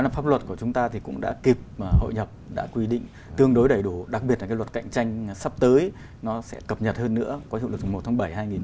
pháp luật của chúng ta cũng đã kịp hội nhập đã quy định tương đối đầy đủ đặc biệt là luật cạnh tranh sắp tới nó sẽ cập nhật hơn nữa có thể được dùng một tháng bảy hai nghìn một mươi chín